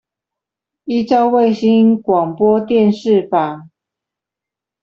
依照衛星廣播電視法